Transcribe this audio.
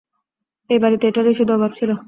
এই বাড়িতে এটারই শুধু অভাব ছিল।